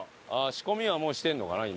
仕込みはもうしてるのかな今。